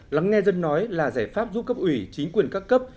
lắng nghe dân nói là giải pháp giúp cấp ủy chính quyền các cấp